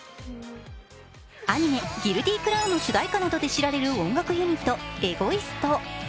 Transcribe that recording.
アニメ「ギルティクラウン」の主題歌などで知られる音楽ユニットＥＧＯＩＳＴ。